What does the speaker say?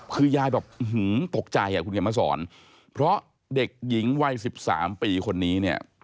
คือยายแบบหือตกใจคุณอย่ามาสอนเพราะเด็กหญิงวัย๑๓ปีคนนี้